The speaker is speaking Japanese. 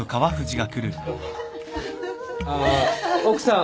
あー奥さん。